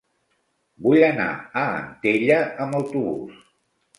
Vull anar a Antella amb autobús.